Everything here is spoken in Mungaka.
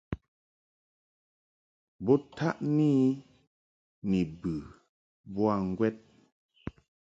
Bo taʼni I ni bə boa ŋgwɛd.